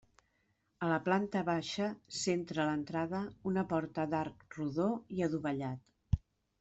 A la planta baixa centra l'entrada una porta d'arc rodó i adovellat.